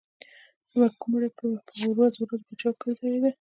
د محکوم مړی به په ورځو ورځو په چوک کې ځړېده.